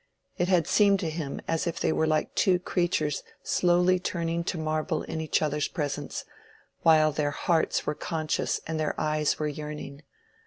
It had seemed to him as if they were like two creatures slowly turning to marble in each other's presence, while their hearts were conscious and their eyes were yearning.